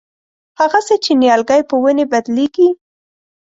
هغسې چې نیالګی په ونې بدلېږي.